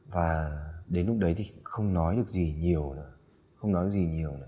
và đến lúc đấy thì không nói được gì nhiều nữa không nói được gì nhiều nữa